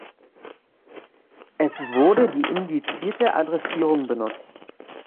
Es wurde die indizierte Adressierung benutzt.